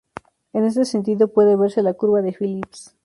En este sentido puede verse la Curva de Phillips.